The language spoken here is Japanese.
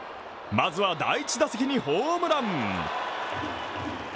まずは第１打席にホームラン。